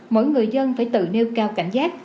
mỗi người dân phải tự nêu cao cảnh giác